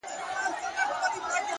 نیک نیت بدې فضاوې نرموي!.